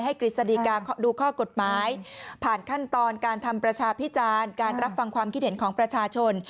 กฤษฎีกาดูข้อกฎหมายผ่านขั้นตอนการทำประชาพิจารณ์การรับฟังความคิดเห็นของประชาชน